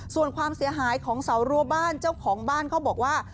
ส่วนความเสียหายของเสารัวบ้านเจ้าของบ้านเขาบอกว่า